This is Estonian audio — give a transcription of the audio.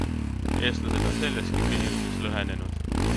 Eestlased on selleski küsimuses lõhenenud.